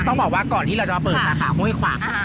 ต้องบอกว่าก่อนที่เราจะมาเปิดสาขาห้วยขวาง